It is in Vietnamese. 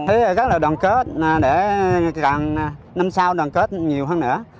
thấy rất là đoàn kết để năm sau đoàn kết nhiều hơn nữa